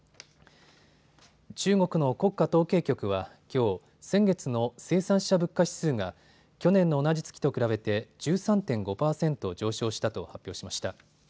中国の国家統計局はきょう先月の生産者物価指数が去年の同じ月と比べて１３．５％上昇したと発表しました。